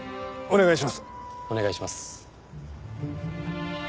お願いします。